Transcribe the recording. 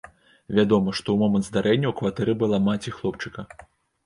Вядома, што ў момант здарэння ў кватэры была маці хлопчыка.